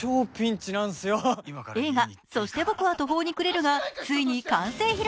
映画「そして僕は途方に暮れる」がついに完成披露